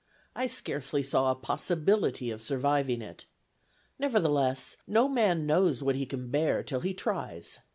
I scarcely saw a possibility of surviving it. Nevertheless, no man knows what he can bear till he tries.